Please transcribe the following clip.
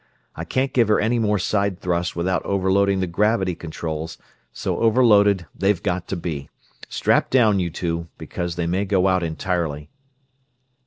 I can't give her any more side thrust without overloading the gravity controls, so overloaded they've got to be. Strap down, you two, because they may go out entirely."